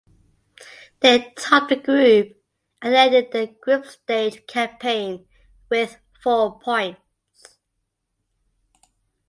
They topped the group and ended their group stage campaign with four points.